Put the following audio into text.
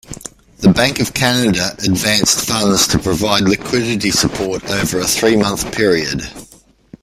The Bank of Canada advanced funds to provide liquidity support over a three-month period.